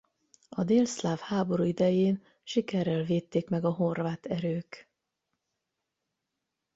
A délszláv háború idején sikerrel védték meg a horvát erők.